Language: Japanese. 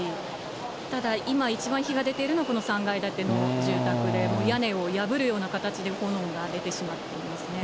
ただ、今、一番火が出ているのは、この３階建ての住宅で、屋根を破るような形で、炎が出てしまっていますね。